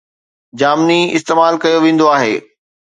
جامني استعمال ڪيو ويندو آهي